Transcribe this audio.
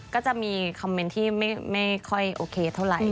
ก็จะมีคอมเมนต์ที่ไม่ค่อยโอเคเท่าไหร่